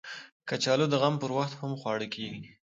کچالو د غم پر وخت هم خواړه کېږي